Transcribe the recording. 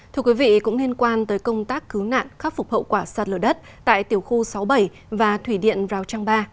thưa quý vị cũng liên quan tới công tác cứu nạn khắc phục hậu quả sạt lở đất tại tiểu khu sáu mươi bảy và thủy điện rào trang ba